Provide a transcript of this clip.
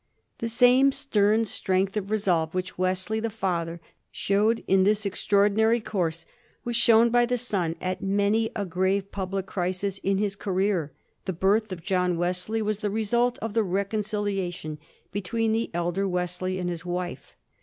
The same stern strength of resolve which Wesley, the father, showed in this extraordinary course was shown by the son at many a grave public crisis in his career. The birth of John Wesley was the result of the reconciliation between the elder Wesley and his wife.